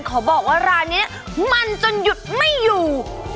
ขอบอกว่าร้านนี้มันจนหยุดไม่อยู่